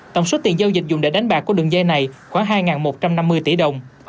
tổng số tiền giao dịch dùng để đánh bạc của đường dây này khoảng hai một trăm năm mươi tỷ đồng